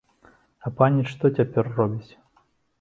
А паніч што цяпер робіць?